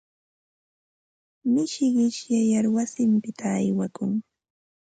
Mishi qishyayar wasinpita aywakun.